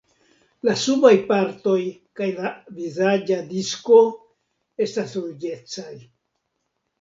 La subaj partoj kaj la vizaĝa disko estas ruĝecaj.